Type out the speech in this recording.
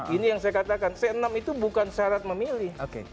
ini yang saya katakan c enam itu bukan syarat memilih